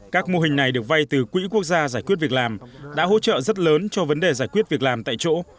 các mô hình này được vay từ quỹ quốc gia giải quyết việc làm đã hỗ trợ rất lớn cho vấn đề giải quyết việc làm tại chỗ